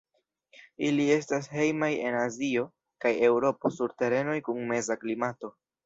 Ili estas hejmaj en Azio kaj Eŭropo sur terenoj kun meza klimato.